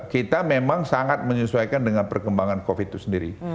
kita memang sangat menyesuaikan dengan perkembangan covid itu sendiri